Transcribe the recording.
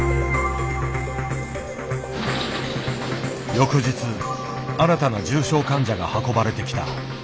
翌日新たな重症患者が運ばれてきた。